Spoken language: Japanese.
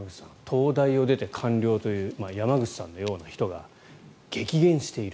東大を出て官僚という山口さんのような人が激減している。